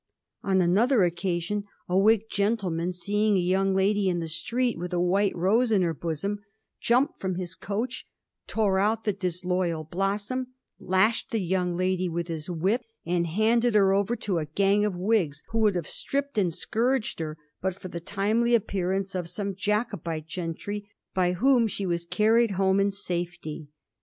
On another occasion, a Whig gen tleman seeing a young lady in the street with a white rose in her bosom, jumped from his coach, tore out the disloyal blossom, lashed the young lady with his whip, and handed her over to a gang of Whigs, who would have stripped and scourged her but for the timely appearance of some Jacobite gentry, by whom she was carried home in safety.